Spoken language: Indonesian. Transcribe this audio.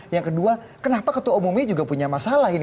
yang kedua kenapa ketua umumnya juga punya masalah ini